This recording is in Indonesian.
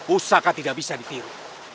usaka tidak bisa ditiru